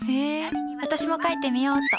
私も書いてみようっと。